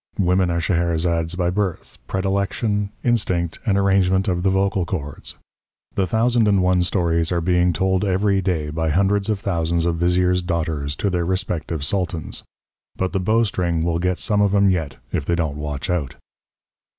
Women are Scheherazades by birth, predilection, instinct, and arrangement of the vocal cords. The thousand and one stories are being told every day by hundreds of thousands of viziers' daughters to their respective sultans. But the bowstring will get some of 'em yet if they don't watch out.